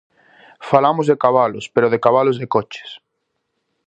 Falamos de cabalos, pero de cabalos de coches.